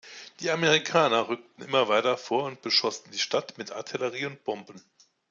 Die Amerikaner rückten immer weiter vor und beschossen die Stadt mit Artillerie und Bomben.